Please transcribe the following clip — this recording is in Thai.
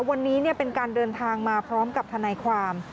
วันนี้เป็นการเดินทางมาพร้อมกับทนายความ